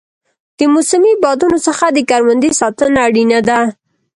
د موسمي بادونو څخه د کروندې ساتنه اړینه ده.